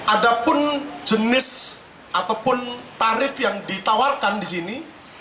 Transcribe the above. ada pun jenis ataupun tarif yang ditawarkan di sini